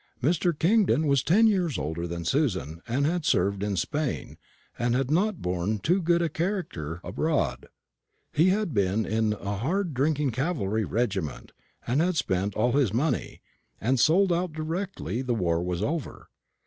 Mr. Kingdon was ten years older than Susan, and had served in Spain, and had not borne too good a character abroad. He had been in a hard drinking cavalry regiment, and had spent all his money, and sold out directly the war was over.